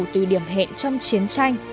từ điểm hẹn trong chiến tranh